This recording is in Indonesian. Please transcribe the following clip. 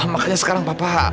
makanya sekarang papa